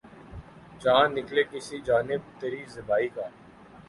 چاند نکلے کسی جانب تری زیبائی کا